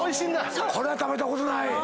これは食べたことない。